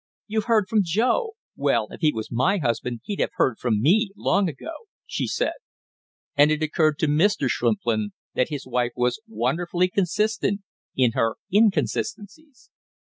"You've heard from Joe! Well, if he was my husband he'd have heard from me long ago!" she said. And it occurred to Mr. Shrimplin that his wife was wonderfully consistent in her inconsistencies.